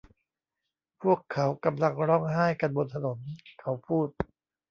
พวกเขากำลังร้องไห้กันบนถนน'เขาพูด